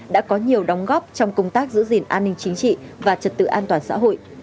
đã có nhiều đóng góp trong công tác giữ gìn an ninh chính trị và trật tự an toàn xã hội